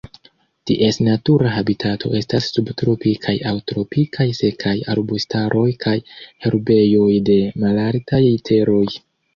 Ties natura habitato estas subtropikaj aŭ tropikaj sekaj arbustaroj kaj herbejoj de malaltaj teroj.